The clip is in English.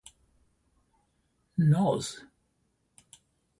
Nos.